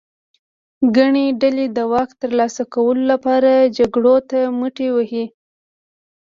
ګڼې ډلې د واک ترلاسه کولو لپاره جګړو ته مټې وهي.